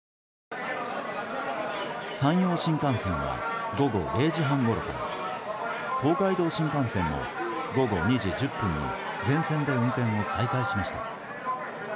山陽新幹線は午後０時半ごろから東海道新幹線も午後２時１０分に全線で運転を再開しました。